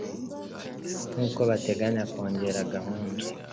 Nkuko bateganya kongera guhura